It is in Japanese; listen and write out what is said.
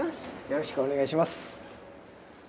よろしくお願いします。